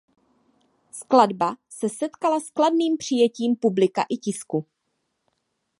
Skladba se setkala s kladným přijetím publika i tisku.